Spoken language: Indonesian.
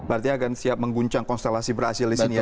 berarti akan siap mengguncang konstelasi berhasil disini ya